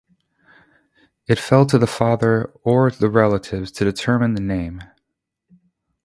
It fell to the father or the relatives to determine the name.